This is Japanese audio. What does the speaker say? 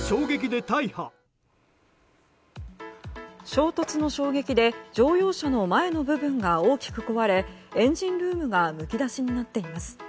衝突の衝撃で乗用車の前の部分が大きく壊れエンジンルームがむき出しになっています。